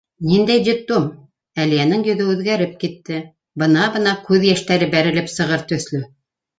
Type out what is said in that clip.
Ниндәй детдом? — Әлиәнең йөҙө үҙгәреп китте, бына-бына күҙ йәштәре бәрелеп сығыр төҫлө.